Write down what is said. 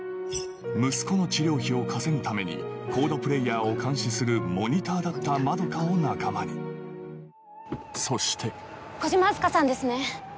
息子の治療費を稼ぐためにＣＯＤＥプレイヤーを監視する「モニター」だった円を仲間にそして「小島明日香さんですね？」